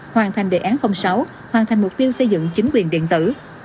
hoàn thành đề án sáu hoàn thành mục tiêu xây dựng chính quyền điện tử